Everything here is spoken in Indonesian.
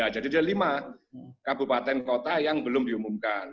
jadi ada lima kabupaten kota yang belum diumumkan